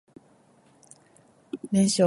連勝